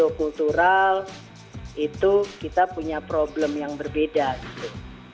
untuk kultural itu kita punya problem yang berbeda gitu